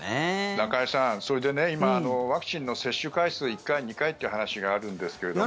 中居さん、それで今ワクチンの接種回数１回、２回という話があるんですけども。